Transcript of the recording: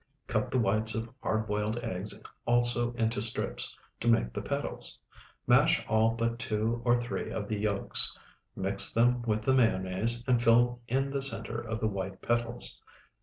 Cut the whites of hard boiled eggs also into strips, to make the petals. Mash all but two or three of the yolks, mix them with the mayonnaise, and fill in the center of the white petals.